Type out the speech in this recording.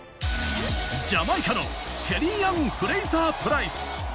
ジャマイカのシェリーアン・フレーザープライス。